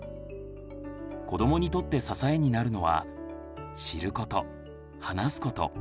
子どもにとって支えになるのは「知ること」「話すこと」